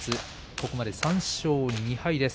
ここまで３勝２敗です。